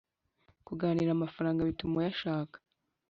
kuganira amafaranga bituma uyashaka